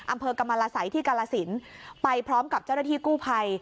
อำเภอกรรมรสัยที่กาลสินไปพร้อมกับเจ้าหน้าที่กู้ภัย